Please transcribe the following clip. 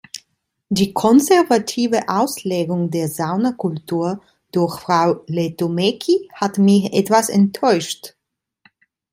Die konservative Auslegung der Sauna-Kultur durch Frau Lehtomäki hat mich etwas enttäuscht.